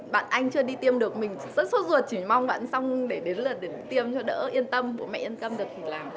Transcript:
bạn anh chưa đi tiêm được mình rất sốt ruột chỉ mong bạn xong để đến lượt để tiêm cho đỡ yên tâm bố mẹ yên tâm được thì làm